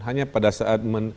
hanya pada saat